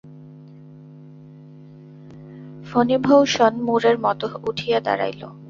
ফণিভঊষণ মূঢ়ের মতো উঠিয়া দাঁড়াইল।